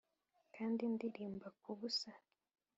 kandi ndirimba kubusa